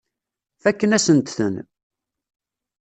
Fakken-asent-ten.